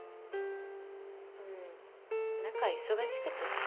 うん何か忙しくてね。